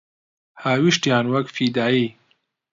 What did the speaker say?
هاویشتیان وەک فیدایی